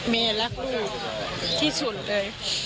แม่รักลูกที่สุดเลย